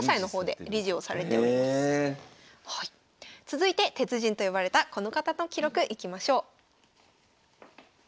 続いて鉄人と呼ばれたこの方の記録いきましょう。